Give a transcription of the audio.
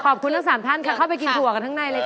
ทั้ง๓ท่านค่ะเข้าไปกินถั่วกันข้างในเลยค่ะ